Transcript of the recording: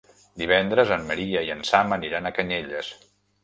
Divendres en Maria i en Sam aniran a Canyelles.